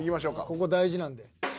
ここ大事なんで。